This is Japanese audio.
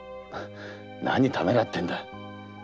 何ためらってんだ。